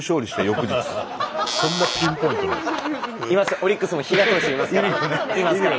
オリックスも比嘉投手いますから。